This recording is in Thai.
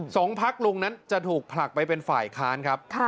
สองพักลุงนั้นจะถูกผลักไปเป็นฝ่ายค้านครับ